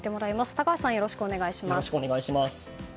高橋さん、よろしくお願いします。